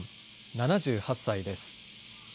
７８歳です。